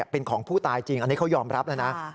เป็นของผู้ตายจริงอันนี้เขายอมรับแล้วนะ